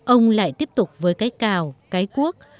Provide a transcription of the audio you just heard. ông lại tiếp tục với cái cào cái cuốc